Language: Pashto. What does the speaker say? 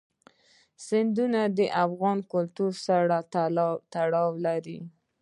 سیندونه د افغان کلتور سره تړاو لري.